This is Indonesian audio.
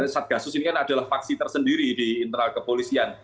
satgasus ini kan adalah faksi tersendiri di internal kepolisian